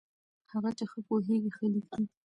هغه چې ښه پوهېږي، ښه لیکي.